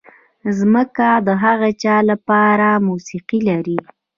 ځمکه د هغه چا لپاره موسیقي لري.